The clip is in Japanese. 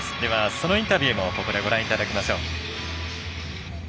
そのインタビューもここでご覧いただきましょう。